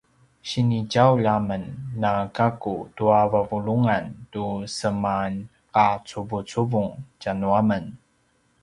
sini djaulj a men na gaku tua vavulungan tu semanqacuvucuvung tjanuamen